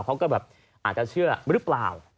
เขาก็แบบอาจจะเชื่อหรือเปล่า